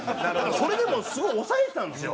それでもすごい抑えてたんですよ。